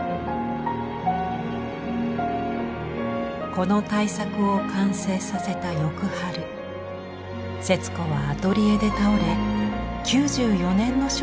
この大作を完成させた翌春節子はアトリエで倒れ９４年の生涯を閉じました。